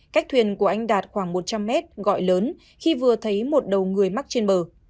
cách thuyền của anh đạt khoảng một trăm linh mét gọi lớn khi vừa thấy một đầu người mắc trên bờ